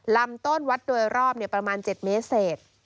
ลำต้นวัดโดยรอบประมาณ๗เมตรเศษ